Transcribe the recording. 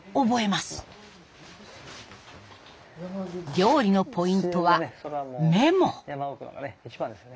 料理のポイントはメモ。